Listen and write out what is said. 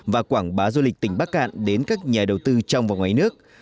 và quảng bá du lịch tỉnh bắc cạn đến các nhà đầu tư trong và ngoài nước